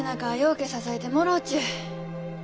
うけ支えてもろうちゅう。